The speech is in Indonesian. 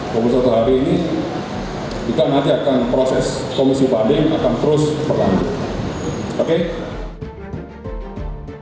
komisi satu hari ini kita nanti akan proses komisi banding akan terus berlanjut